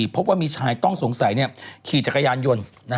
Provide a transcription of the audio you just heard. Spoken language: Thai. พบว่ามีชายต้องสงสัยขี่จักรยานยนต์